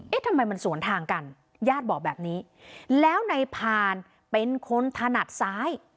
ทำไมมันสวนทางกันญาติบอกแบบนี้แล้วในพานเป็นคนถนัดซ้าย